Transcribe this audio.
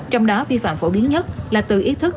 trong đó vi phạm phổ biến nhất là từ ý thức